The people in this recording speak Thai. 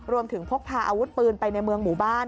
พกพาอาวุธปืนไปในเมืองหมู่บ้าน